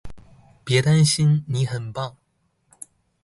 別擔心，你很棒